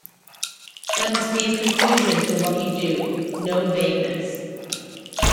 There must be a conclusion to what you do, no vagueness.